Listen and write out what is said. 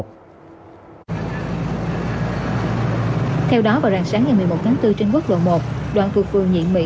theo đó vào ràng sáng ngày một mươi một tháng bốn trên quốc lộ một đoàn cực vườn nhịn mỹ